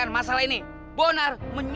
ayah bilangin ya